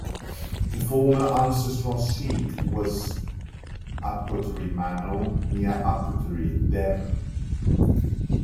The former ancestral seat was Upottery Manor, near Upottery, Devon.